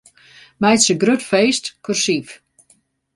Meitsje 'grut feest' kursyf.